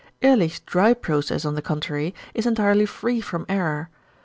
Ehrlich's dry process, on the contrary, is entirely free from error.